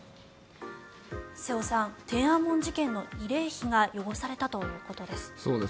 瀬尾さん、天安門事件の慰霊碑が汚されたということです。